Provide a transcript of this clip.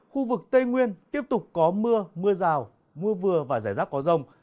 khu vực tây nguyên tiếp tục có mưa mưa rào mưa vừa và rải rác có rông